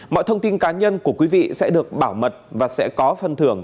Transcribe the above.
mọi thông tin cá nhân của quý vị sẽ được bảo mật và sẽ có phân thưởng